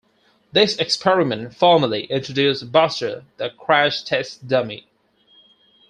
This experiment formally introduced Buster the crash test dummy.